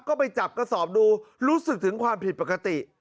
ก็ไปจับกระสอบดูรู้สึกถึงความผิดปกติ